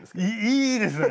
いいですね。